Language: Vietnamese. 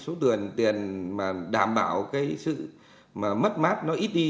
số tiền mà đảm bảo cái sự mà mất mát nó ít đi